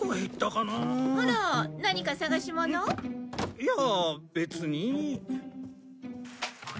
いやあ別に。